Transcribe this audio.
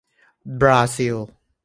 บราซิล